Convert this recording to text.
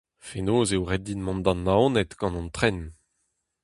Fenoz eo ret din mont da Naoned gant an tren.